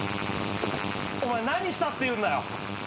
何したっていうんだよ。